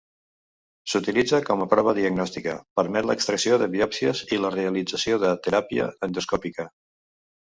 S'utilitza com a prova diagnòstica, permet l'extracció de biòpsies i la realització de teràpia endoscòpica.